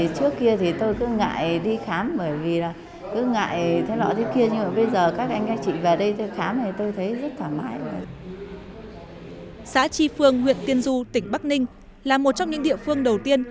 xã tri phương huyện tiên du tỉnh bắc ninh là một trong những địa phương đầu tiên